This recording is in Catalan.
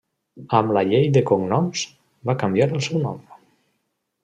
Amb la llei de cognoms, va canviar el seu nom.